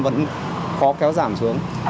vẫn khó kéo giảm xuống